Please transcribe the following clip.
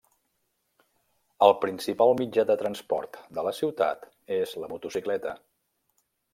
El principal mitjà de transport de la ciutat és la motocicleta.